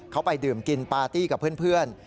เขาไปดื่มกินปาร์ตี้กับเพื่อน